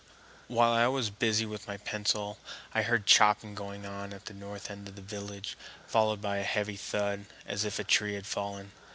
While I was busy with my pencil, I heard chopping going on at the north end of the village, followed by a heavy thud, as if a tree had fallen.